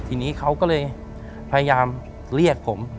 ทีนี้เขาก็เลยพยายามเรียกผม